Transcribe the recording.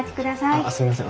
あっすいません。